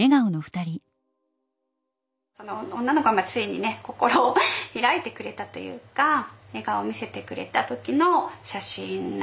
その女の子がついにね心を開いてくれたというか笑顔を見せてくれた時の写真なんです。